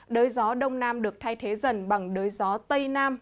đới gió đông nam được thay thế dần bằng đới gió tây nam